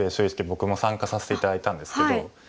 僕も参加させて頂いたんですけど。